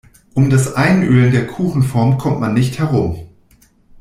Um das Einölen der Kuchenform kommt man nicht herum.